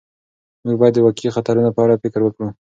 موږ باید د واقعي خطرونو په اړه فکر وکړو.